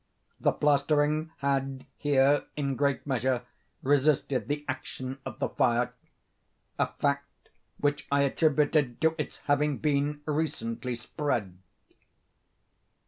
The plastering had here, in great measure, resisted the action of the fire—a fact which I attributed to its having been recently spread.